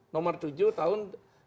nomor tujuh tahun dua ribu tujuh belas